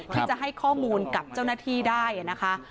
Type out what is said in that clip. ที่จะให้ข้อมูลกับเจ้าหน้าที่ได้นะคะ